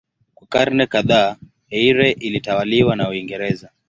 Kwa karne kadhaa Eire ilitawaliwa na Uingereza.